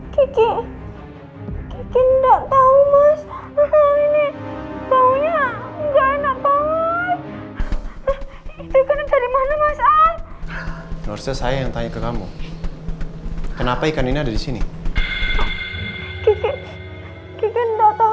kiki kiki enggak tahu mas ini taunya enggak enak banget